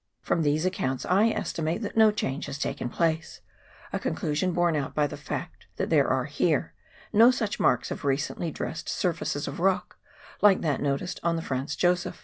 From these accounts I estimate that no change has taken place ; a conclusion borne out by the fact that there are, here, no such marks of recently dressed sur faces of rock like that noticed on the Franz Josef.